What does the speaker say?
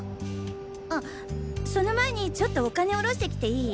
あその前にちょっとお金おろしてきていい？